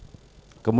saya tidak mau